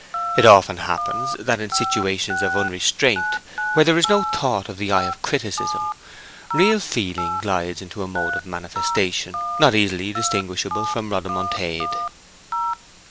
It often happens that in situations of unrestraint, where there is no thought of the eye of criticism, real feeling glides into a mode of manifestation not easily distinguishable from rodomontade.